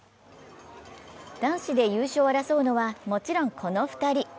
男子で優勝を争うのは、もちろんこの２人。